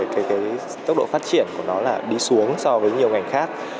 cái tốc độ phát triển của nó là đi xuống so với nhiều ngành khác